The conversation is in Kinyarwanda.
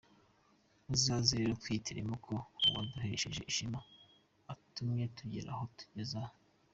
Muzaze rero twihitiremo koko uwaduhesheje ishema utumye tugera aho tugeze aha.